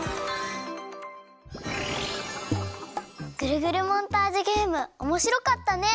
ぐるぐるモンタージュゲームおもしろかったね。